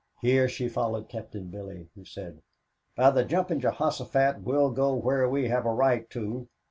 Here she followed Captain Billy, who said, "By the Jumping Jehosophat, we'll go where we have a right to."